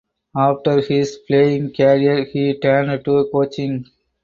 After his playing career he turned to coaching.